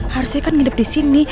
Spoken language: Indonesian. harusnya kan ngidep disini